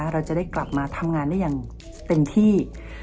เราจะได้กลับมาทำงานได้อย่างเต็มที่